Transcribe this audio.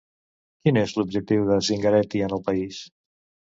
Quin és l'objectiu de Zingaretti en el país?